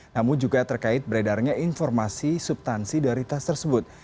namun juga terkait beredarnya informasi subtansi dari tas tersebut